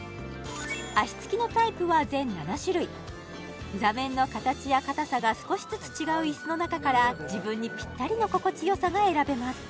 脚付きのタイプは全７種類座面の形や硬さが少しずつ違う椅子の中から自分にピッタリの心地よさが選べます